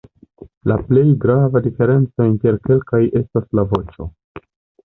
La plej grava diferenco inter kelkaj estas la voĉo.